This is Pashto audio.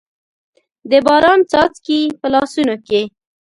د باران څاڅکي، په لاسونو کې